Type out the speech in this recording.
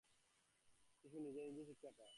শিশু নিজে নিজেই শিক্ষা পায়।